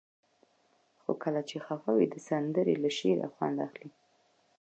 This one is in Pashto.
خو کله چې خفه وئ؛ د سندرې له شعره خوند اخلئ.